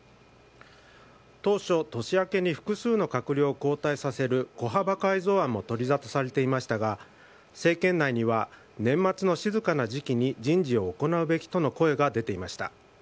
当初、年明けに複数の閣僚を交代させる小幅改造案も取り沙汰されていましたが、政権内には年末の静かな時期に人事を行うべきとの声が出ていました。